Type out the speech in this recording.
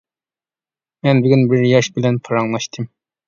مەن بۈگۈن بىر ياش بىلەن پاراڭلاشتىم.